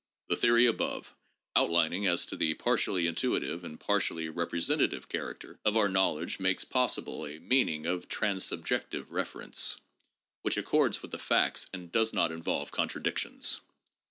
The theory above outlined as to the partially intuitive and par tially representative character of our knowledge makes possible a meaning of transsubjective reference, which accords with the facts and does not involve contradictions.